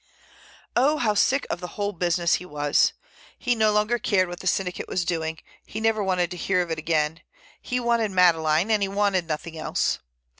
Oh! how sick of the whole business he was! He no longer cared what the syndicate was doing. He never wanted to hear of it again. He wanted Madeleine, and he wanted nothing else.